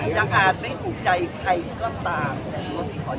ยังอาจไม่ถูกใจใครก็ตามแต่ต้องขอยอบรับผิดตัว